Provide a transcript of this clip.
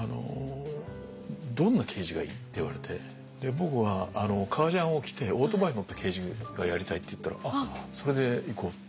「どんな刑事がいい？」って言われてで僕は「革ジャンを着てオートバイに乗った刑事がやりたい」って言ったら「それでいこう」って。